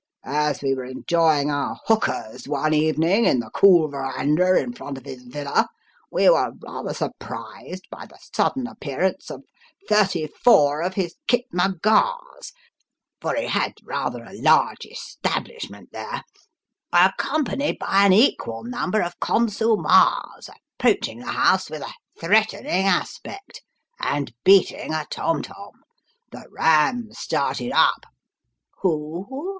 As wo were enjoying our hookahs, one evening, in the cool verandah in front of his villa, we were rather surprised by the sudden appearance of thirty four of his Kit ma gars (for he had rather a large establishment there), accompanied by an equal number of Con su mars, approaching tho house with a threatening aspect, and beating a tom tom. The Ram started up " Who